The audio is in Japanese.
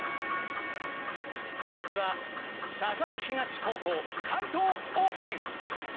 まずは栄東高校解答オープン！